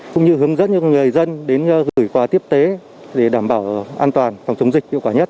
cũng như hướng dẫn cho người dân đến gửi quà tiếp tế để đảm bảo an toàn phòng chống dịch hiệu quả nhất